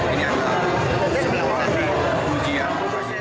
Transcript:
ini adalah sebuah ujian